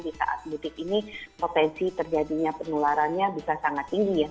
di saat mudik ini potensi terjadinya penularannya bisa sangat tinggi ya